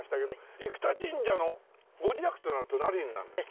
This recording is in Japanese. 生田神社の御利益となると何になるんですか？